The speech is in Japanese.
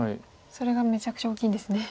それがめちゃくちゃ大きいんですね。